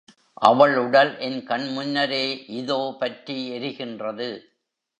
அவளுடல் என் கண் முன்னரே இதோ பற்றி எரிகின்றது.